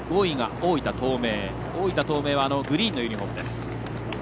大分東明はグリーンのユニフォームです。